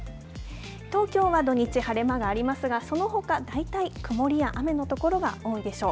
東京は土日、晴れ間がありますが、そのほか、大体曇りや雨の所が多いでしょう。